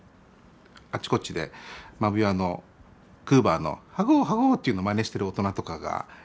あちこちでマブヤーのクーバーの「ハゴーハゴー」っていうのをまねしてる大人とかがいるのを見て